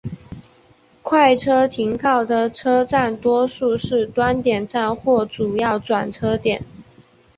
快车停靠的车站多数是端点站或主要转车点。